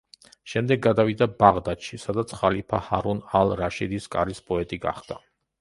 შემდეგ გადავიდა ბაღდადში, სადაც ხალიფა ჰარუნ ალ-რაშიდის კარის პოეტი გახდა.